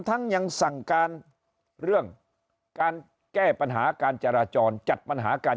ยังสั่งการเรื่องการแก้ปัญหาการจราจรจัดปัญหาการ